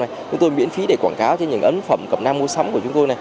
chúng tôi miễn phí để quảng cáo cho những ấn phẩm cập nam mua sắm của chúng tôi